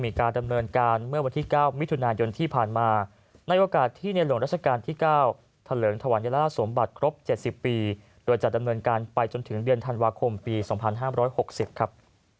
มีการดำเนินการเมื่อวันที่เก้ามิถุนายนที่ผ่านมาในโอกาสที่ในหลวงราชการที่เก้าทะเลิงทวันยลาสมบัติครบเจ็ดสิบปีโดยจะดำเนินการไปจนถึงเดือนธันวาคมปีสองพันห้ามร้อยหกสิบครับ